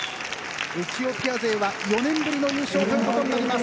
エチオピア勢は４年ぶりの優勝ということになります。